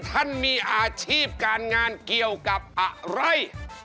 ท่านมีอาชีพการงานเกี่ยวกับอะไร